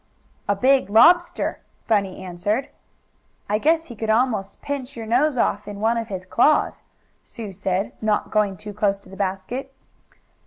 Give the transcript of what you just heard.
"A big lobster," Bunny answered. "I guess he could almost pinch your nose off in one of his claws," Sue said, not going too close to the basket.